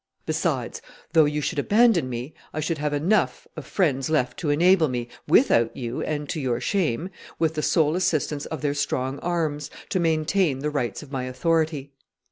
Besides, though you should abandon me, I should have enough of friends left to enable me, without you and to your shame, with the sole assistance of their strong arms, to maintain the rights of my authority.